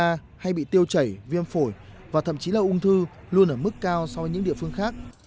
nhiều người đều bị tiêu chảy viêm phổi và thậm chí là ung thư luôn ở mức cao so với những địa phương khác